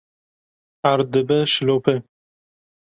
erd dibe şilope